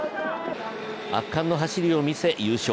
圧巻の走りを見せ優勝。